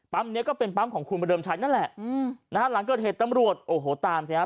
เนี้ยก็เป็นปั๊มของคุณประเดิมชัยนั่นแหละอืมนะฮะหลังเกิดเหตุตำรวจโอ้โหตามสิฮะ